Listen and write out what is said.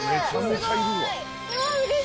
すごい。